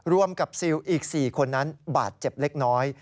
รวมกับซิลอีก๔คนนั้นบาดเจ็บเล็กน้อย